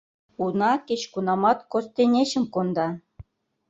Уна кеч-кунамат костенечым конда.